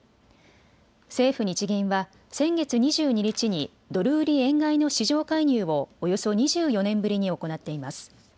政府・日銀は先月２２日にドル売り円買いの市場介入をおよそ２４年ぶりに行っています。